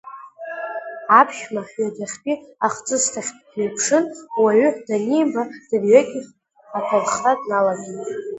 Аԥшәма ҩадахьтәи ахҵысҭахь дҩаԥшын, уаҩ данимба, дырҩегьых аҭәархра дналагеит.